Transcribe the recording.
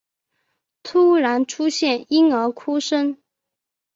突然出现婴儿哭声